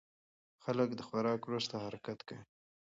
خلک د خوراک وروسته حرکت کوي.